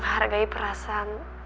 aku mau menghargai perasaan